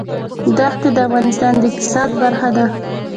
دښتې د افغانستان د اقتصاد برخه ده.